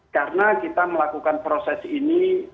karena kita melakukan proses ini